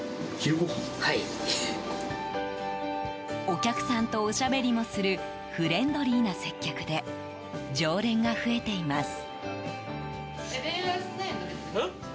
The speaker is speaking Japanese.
お客さんとおしゃべりもするフレンドリーな接客で常連が増えています。